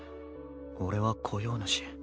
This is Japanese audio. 俺は雇用主。